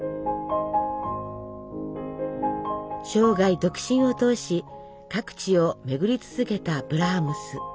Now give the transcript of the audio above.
生涯独身を通し各地を巡り続けたブラームス。